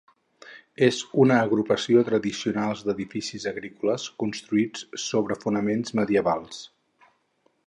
És una agrupació tradicional d'edificis agrícoles construïts sobre fonaments medievals.